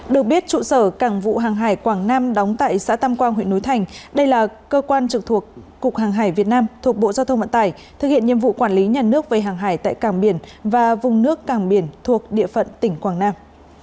được biết trụ sở cảng vụ hàng hải quảng nam đóng tại xã tam quang huyện núi thành đây là cơ quan trực thuộc cục hàng hải việt nam thuộc bộ giao thông vận tải thực hiện nhiệm vụ quản lý nhà nước về hàng hải tại cảng biển và vùng nước cảng biển thuộc địa phận tỉnh quảng nam